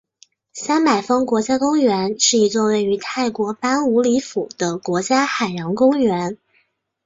三百峰国家公园是一座位于泰国班武里府的国家海洋公园。